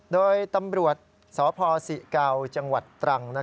โดยตำรวจสพศิเกาจังหวัดตรัง